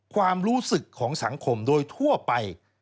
ความรู้สึกของสังคมโดยทั่วไป